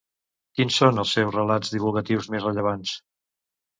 Quins són els seus relats divulgatius més rellevants?